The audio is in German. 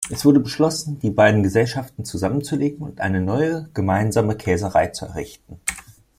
Es wurde beschlossen, die beiden Gesellschaften zusammenzulegen und eine neue gemeinsame Käserei zu errichten.